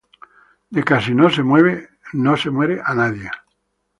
De casi no se muere nadie.